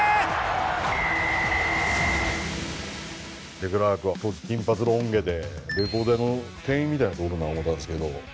デクラークは当時、金髪ロン毛でレコード屋の店員みたいなやつおるな思ったんですけど。